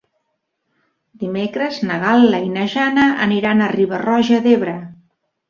Dimecres na Gal·la i na Jana aniran a Riba-roja d'Ebre.